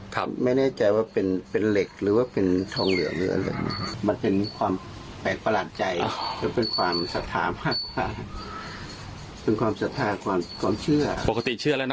ครับส่วนใหญ่ผมก็จะคิดว่ามันเป็นของมงคลส่วนอาหารผมไม่สนใจ